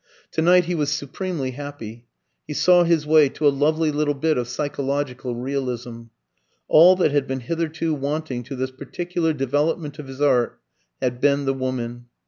To night he was supremely happy. He saw his way to a lovely little bit of psychological realism. All that had been hitherto wanting to this particular development of his art had been the woman.